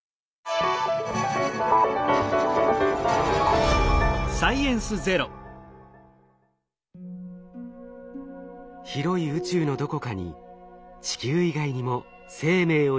広い宇宙のどこかに地球以外にも生命を宿した天体はあるのか？